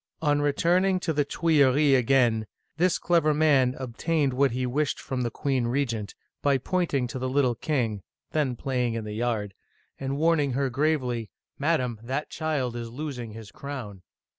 On returning to the Tuileries again, this clever man obtained what he Digitized by Google LOUIS XIV. (1643 17 15) 321 wished from the queen regent, by pointing to the little king — then playing in the yard — and warning her gravely, " Madame, that child is losing his crown